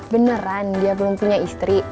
beneran dia belum punya istri